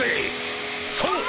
そう！